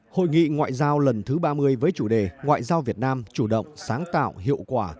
hội nghị ngoại giao lần thứ ba mươi với chủ đề ngoại giao việt nam chủ động sáng tạo hiệu quả